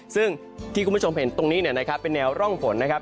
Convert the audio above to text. ซึ่งที่คุณผู้ชมเห็นตรงนี้นะครับเป็นแนวร่องฝนนะครับ